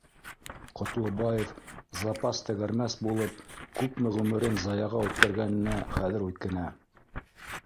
Ҡотлобаев запас тәгәрмәс булып күпме ғүмерен заяға үткәргәненә хәҙер үкенә